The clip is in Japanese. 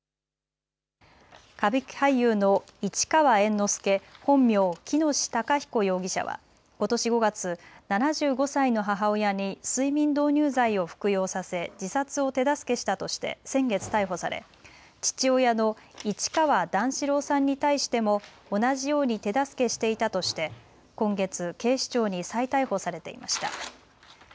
歌舞伎俳優の市川猿之助、本名・喜熨斗孝彦容疑者はことし５月、７５歳の母親に睡眠導入剤を服用させ自殺を手助けしたとして先月、逮捕され父親の市川段四郎さんに対しても同じように手助けしていたとして今月、警視庁に再逮捕されていました。